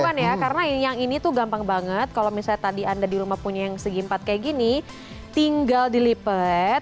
bukan ya karena yang ini tuh gampang banget kalau misalnya tadi anda di rumah punya yang segi empat kayak gini tinggal dilipat